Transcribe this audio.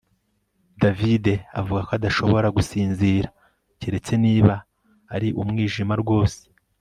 davide avuga ko adashobora gusinzira keretse niba ari umwijima rwose